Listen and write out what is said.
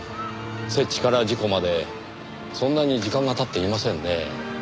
設置から事故までそんなに時間が経っていませんねぇ。